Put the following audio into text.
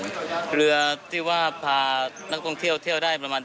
ค่ะคือว่าพานักก่องเที่ยวเที่ยวได้ประมาณ